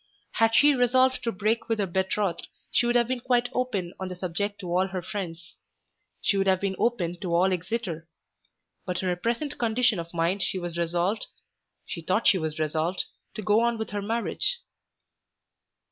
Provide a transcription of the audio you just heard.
Had she resolved to break with her betrothed she would have been quite open on the subject to all her friends. She would have been open to all Exeter. But in her present condition of mind she was resolved, she thought she was resolved, to go on with her marriage.